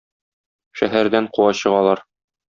Шәһәрдән куа чыгалар.